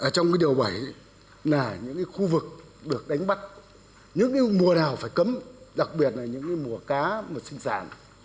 trong điều bảy là những khu vực được đánh bắt những mùa nào phải cấm đặc biệt là những mùa cá mùa sinh sản